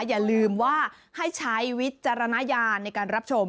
อย่าลืมว่าให้ใช้วิจารณญาณในการรับชม